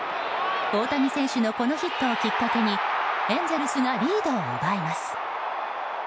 大谷選手のこのヒットをきっかけにエンゼルスがリードを奪います。